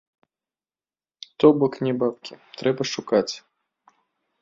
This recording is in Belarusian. То бок не бабкі трэба шукаць!